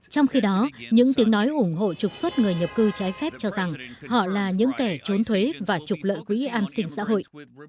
trong khi đó những tiếng nói ủng hộ trục xuất người nhập cư trái phép cho rằng họ là những kẻ trốn thuế và trục lợi quỹ an sinh xã hội